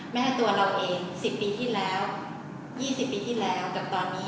ตัวเราเอง๑๐ปีที่แล้ว๒๐ปีที่แล้วกับตอนนี้